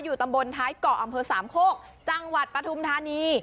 ตำบลท้ายเกาะอำเภอสามโคกจังหวัดปฐุมธานี